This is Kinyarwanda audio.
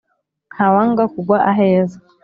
Ntawanga kugwa aheza.